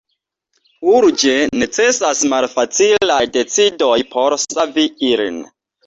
Urĝe necesas malfacilaj decidoj por savi ilin.